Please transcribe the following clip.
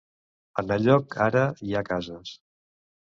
En el lloc ara hi ha cases.